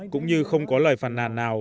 cũng như không có lời phản nạn nào